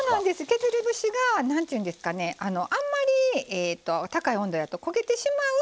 削り節が何ていうんですかねあんまり高い温度やと焦げてしまう。